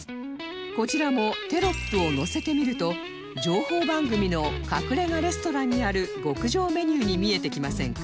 こちらもテロップをのせてみると情報番組の隠れ家レストランにある極上メニューに見えてきませんか？